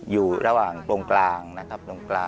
อยู่ระหว่างตรงกลางนะครับ